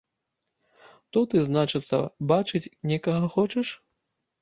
То ты, значыцца, бачыць некага хочаш?!